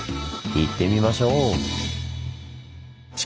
行ってみましょう！